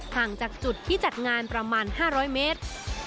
ห่างจากจุดที่จัดงานประมาณ๕๐๐เมตร